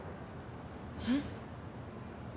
えっ？